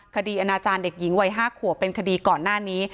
อนาจารย์เด็กหญิงวัย๕ขวบเป็นคดีก่อนหน้านี้